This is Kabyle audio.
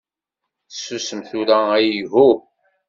Susem tura, ayhuh!